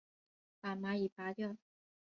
把蚂蚁拨掉